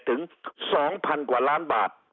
ถึง๒๐๐๐กว่าล้านบาท